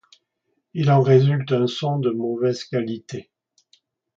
Il en résulte un son de mauvaise qualité.